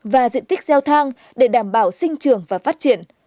và diện tích gieo thang để đảm bảo sinh trường và phát triển